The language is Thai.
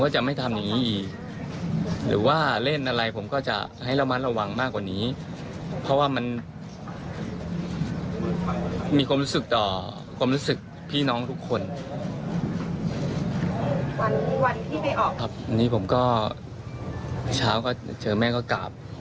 เช้าก็เจอแม่ก็กราบ